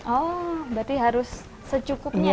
oh berarti harus secukupnya ya